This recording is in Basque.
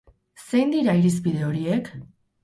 Zein dira irizpide horiek?